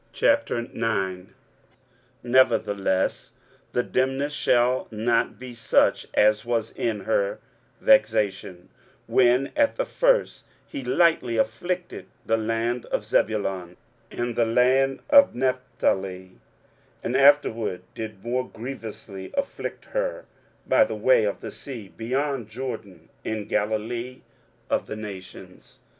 23:009:001 Nevertheless the dimness shall not be such as was in her vexation, when at the first he lightly afflicted the land of Zebulun and the land of Naphtali, and afterward did more grievously afflict her by the way of the sea, beyond Jordan, in Galilee of the nations.